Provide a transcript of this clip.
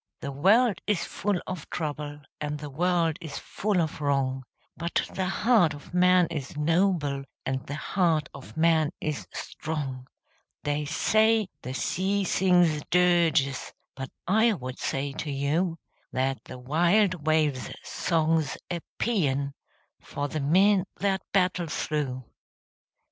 The world is full of trouble, And the world is full of wrong, But the heart of man is noble, And the heart of man is strong! They say the sea sings dirges, But I would say to you That the wild wave's song's a paean For the men that battle through.